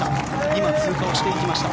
今、通過をしていきました。